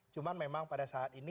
cuman memang pada saat ini